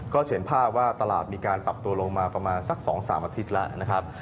เห็นภาพว่าตลาดมีการปรับตัวลงมาประมาณสัก๒๓อาทิตย์แล้วนะครับ